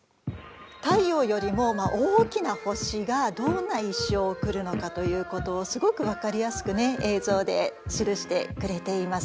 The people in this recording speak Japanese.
太陽よりも大きな星がどんな一生を送るのかということをすごく分かりやすくね映像で記してくれています。